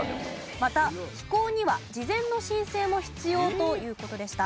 また飛行には事前の申請も必要という事でした。